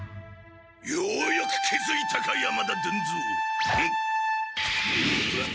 ようやく気づいたか山田伝蔵！